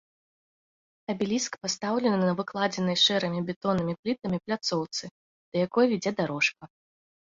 Абеліск пастаўлены на выкладзенай шэрымі бетоннымі плітамі пляцоўцы, да якой вядзе дарожка.